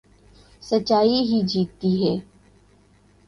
سچائی ہی جیتتی ہے